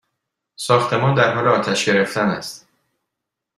ساختمان در حال آتش گرفتن است!